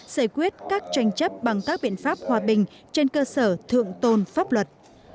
giải quyết các tranh chấp bằng các biện pháp hòa bình trên cơ sở thượng tôn pháp luật